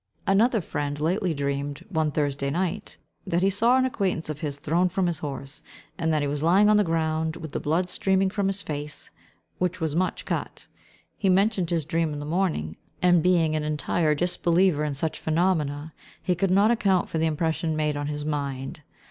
Another friend lately dreamed, one Thursday night, that he saw an acquaintance of his thrown from his horse; and that he was lying on the ground with the blood streaming from his face, which was much cut. He mentioned his dream in the morning, and being an entire disbeliever in such phenomena, he could not account for the impression made on his mind.